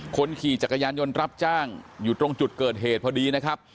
คนขี่จักรยานยนต์รับจ้างอยู่ตรงจุดเกิดเหตุพอดีนะครับ